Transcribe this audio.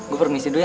gue permisi dulu ya